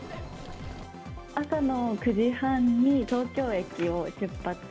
朝の９時半に、東京駅を出発。